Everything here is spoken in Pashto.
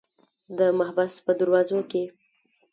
د محبس په دروازو کې.